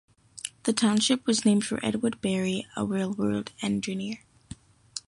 The township was named for Edward Barry, a railroad engineer.